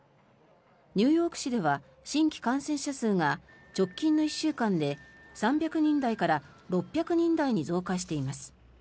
ニューヨーク市では新規感染者数が直近の１週間で３００人台から６００人台に増加しています。